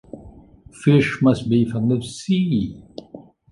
Fish must be from the sea.